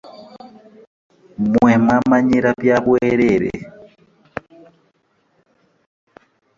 Mmwe mwamanyiira bya bwereere.